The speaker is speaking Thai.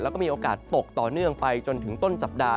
แล้วก็มีโอกาสตกต่อเนื่องไปจนถึงต้นสัปดาห